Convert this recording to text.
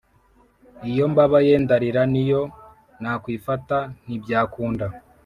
Iyo mbabaye ndarira niyo nakwifata ntibyakunda